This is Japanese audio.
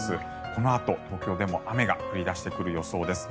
このあと東京でも雨が降り出してくる予想です。